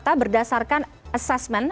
tapi terdapat pengawasan